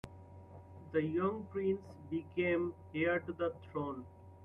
The young prince became heir to the throne.